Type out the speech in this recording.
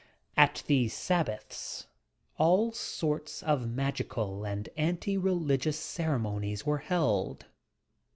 At these sabbaths all sorts of magical esid anti religious cere monies were held.